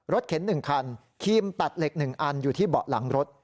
เข็น๑คันครีมตัดเหล็ก๑อันอยู่ที่เบาะหลังรถ